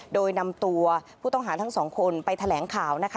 โดยนำตัวผู้ต้องหาทั้งสองคนไปแถลงข่าวนะคะ